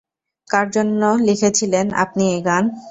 কার জন্য লিখেছিলেন আপনি এই গান?